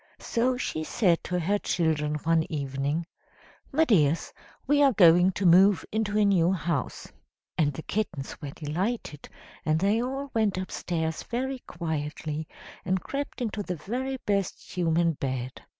So she said to her children one evening "'My dears, we are going to move into a new house.' "And the kittens were delighted, and they all went upstairs very quietly, and crept into the very best human bed.